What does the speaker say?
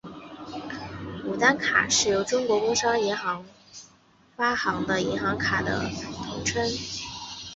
牡丹卡是由中国工商银行发行的银行卡的统称。